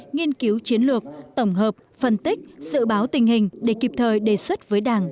nghiên cứu chiến lược tổng hợp phân tích dự báo tình hình để kịp thời đề xuất với đảng